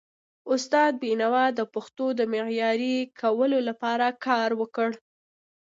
استاد بینوا د پښتو د معیاري کولو لپاره کار وکړ.